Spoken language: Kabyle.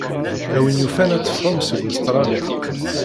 A win yufan ad teffɣem seg Ustṛalya.